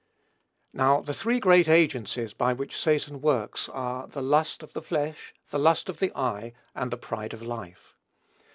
Now, the three great agencies by which Satan works are "the lust of the flesh, the lust of the eye, and the pride of life."